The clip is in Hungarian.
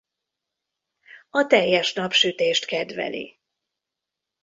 A teljes napsütést kedveli.